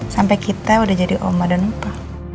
sampai kita udah jadi oma dan lupa